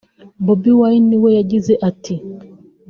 Bobi Wine we yagize ati